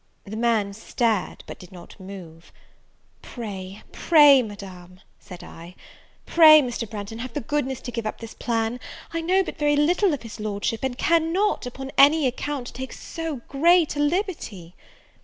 The man stared, but did not move. "Pray, pray, Madame," said I, "pray, Mr. Branghton, have the goodness to give up this plan; I know but very little of his Lordship, and cannot, upon any account, take so great a liberty."